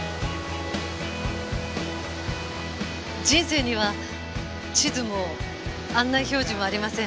人生には地図も案内表示もありません。